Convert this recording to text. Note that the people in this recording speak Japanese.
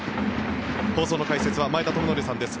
放送の解説は前田智徳さんです。